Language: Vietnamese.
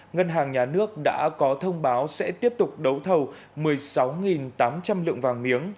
ngân hàng nhà nước đã có thông báo sẽ tiếp tục đấu thầu một mươi sáu tám trăm linh lượng vàng miếng